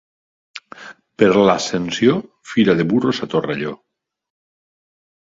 Per l'Ascensió, fira de burros a Torelló.